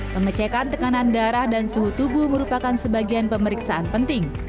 pengecekan tekanan darah dan suhu tubuh merupakan sebagian pemeriksaan penting